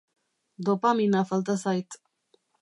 Dopamina falta zait.